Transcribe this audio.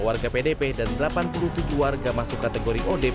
dua warga pdp dan delapan puluh tujuh warga masuk kategori odp